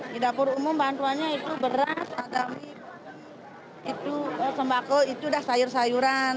di dapur umum bantuannya itu beras ada mie sembako itu ada sayur sayuran